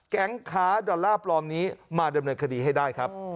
แก๊งค้าดอลลาร์ปลอมนี้มาดำเนินคดีให้ได้ครับ